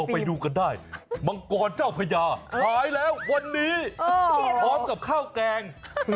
ไปดูกันได้มังกรเจ้าพญาขายแล้ววันนี้พร้อมกับข้าวแกง